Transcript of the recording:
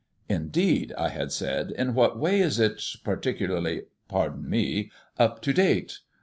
"Indeed?" I had said. "In what way is it particularly pardon me up to date?"